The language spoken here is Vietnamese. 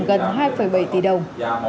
gần hai bảy tỷ đồng